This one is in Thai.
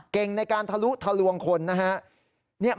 เก่งในการทะลุทะลวงคนนะฮะ